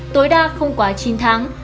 tối đa không quá chín tháng